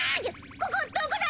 ここどこだ！？